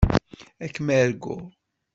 Ad kem-arguɣ.